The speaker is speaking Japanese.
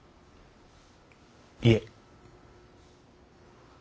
いえ。